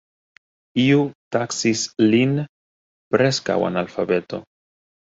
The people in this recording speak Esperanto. Iu taksis lin "preskaŭ-analfabeto.